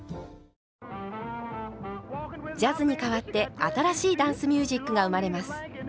ジャズに代わって新しいダンスミュージックが生まれます。